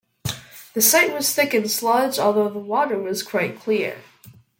The site was thick in sludge, although the water was quite clear.